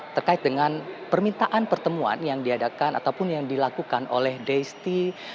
terkait dengan permintaan pertemuan yang diadakan ataupun yang dilakukan oleh deisti